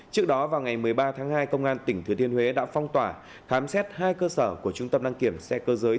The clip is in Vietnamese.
trước đó vào ngày một mươi ba tháng hai công an tỉnh thừa thiên huế đã phong tỏa khám xét hai cơ sở của trung tâm đăng kiểm xe cơ giới